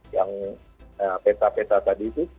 yang peta peta tadi itu